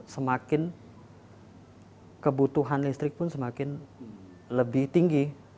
semakin kebutuhan listrik pun semakin lebih tinggi